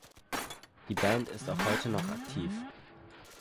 Die Band ist auch heute noch aktiv.